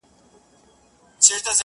ستا شربتي سونډو ته، بې حال پروت و~